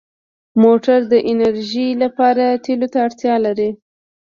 موټر د انرژۍ لپاره تېلو ته اړتیا لري.